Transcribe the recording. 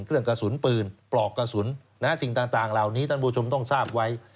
เครื่องกระสุนปืนปลอกกระสุนสิ่งต่างเหล่านี้ท่านผู้ชมต้องทราบไว้